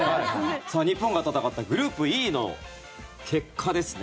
日本が戦ったグループＥの結果ですね。